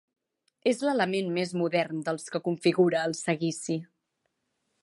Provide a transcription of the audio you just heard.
És l'element més modern dels que configura el Seguici.